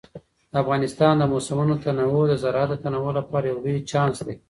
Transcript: د افغانستان د موسمونو تنوع د زراعت د تنوع لپاره یو لوی چانس دی.